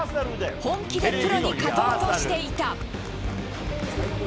本気でプロに勝とうとしていた。